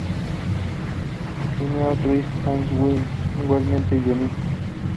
Tenía otro hijo, Hans Wilhelm, igualmente guionista.